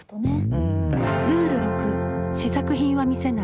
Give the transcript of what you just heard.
うん。